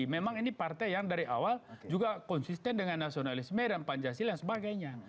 memang ini partai yang dari awal juga konsisten dengan nasionalisme dan pancasila dan sebagainya